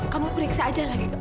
kamu periksa aja lagi